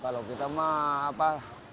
kalau kita mah apa